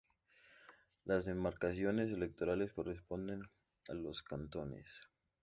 Las demarcaciones electorales corresponden a los cantones.